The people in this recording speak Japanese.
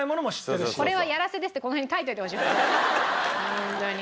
ホントに。